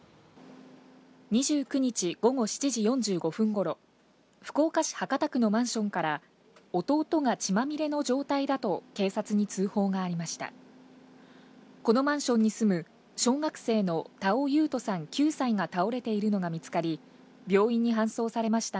２９日午後７時４５分頃、福岡市博多区のマンションから弟が血まみれの状態だと、警察に通報がありました。